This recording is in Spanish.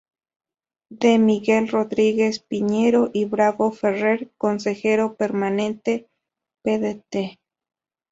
D. Miguel Rodríguez-Piñero y Bravo-Ferrer: consejero Permanente-Pdte.